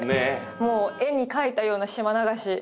もう絵に描いたような島流し。